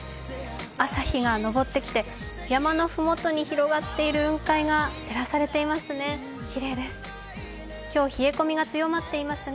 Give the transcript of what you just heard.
朝日が上ってきて、山の麓に広がっている雲海が照らされていますね。